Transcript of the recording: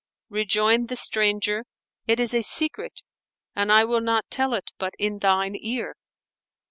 Rejoined the stranger, "It is a secret and I will not tell it but in thine ear."